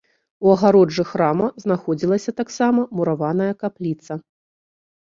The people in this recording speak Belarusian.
У агароджы храма знаходзілася таксама мураваная капліца.